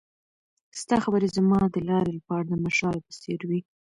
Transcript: ستا خبرې زما د لارې لپاره د مشال په څېر وې.